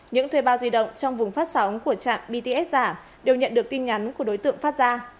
những thuê bao di động trong vùng phát sóng của trạm bts giả đều nhận được tin nhắn của đối tượng phát ra